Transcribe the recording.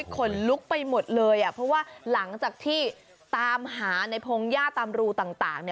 ขนลุกไปหมดเลยเพราะว่าหลังจากที่ตามหาในพงหญ้าตามรูต่าง